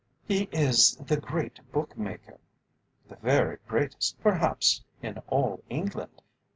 "He is the great bookmaker, the very greatest, perhaps, in all England.